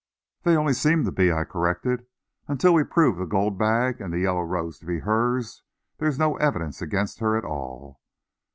"They only seem to be," I corrected. "Until we prove the gold bag and the yellow rose to be hers; there is no evidence against her at all."